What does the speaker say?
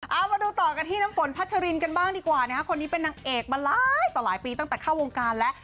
เอามาดูต่อกันที่น้ำฝนพัชรินกันบ้างดีกว่านะฮะคนนี้เป็นนางเอกมาหลายต่อหลายปีตั้งแต่เข้าวงการแล้ว